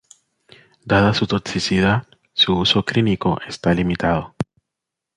Dada su toxicidad, su uso clínico está limitado.